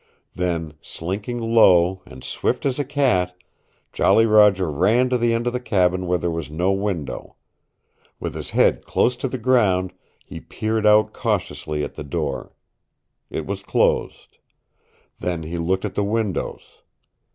Then, slinking low, and swift as a cat, Jolly Roger ran to the end of the cabin where there was no window. With his head close to the ground he peered out cautiously at the door. It was closed. Then he looked at the windows.